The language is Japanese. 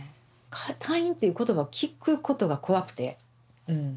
退院っていう言葉を聞くことが怖くてうん。